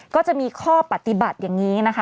ก็จะมีข้อปฏิบัติอย่างนี้นะคะ